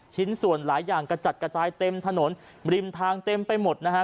ชิ้นส่วนหลายอย่างกระจัดกระจายเต็มถนนริมทางเต็มไปหมดนะฮะ